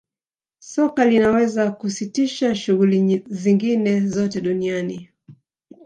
soka linaweza kusitisha shughuli zingine zote duniani